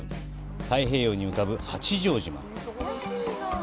太平洋に浮かぶ八丈島。